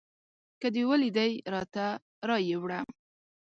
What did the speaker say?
که دې ولیدی راته رایې وړه